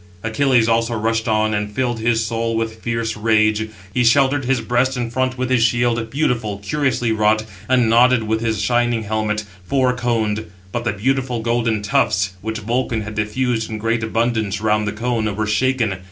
Achilles also rushed on, and filled his soul with fierce rage. He sheltered his breast in front with his shield, beautiful, curiously wrought and nodded with his shining helmet, four coned; but the beautiful golden tufts, which Vulcan had diffused in great abundance round the cone, were shaken.